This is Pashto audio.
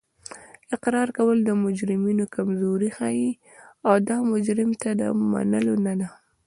اقرار کول د مجرمینو کمزوري ښیي او دا مجرم ته د منلو نه ده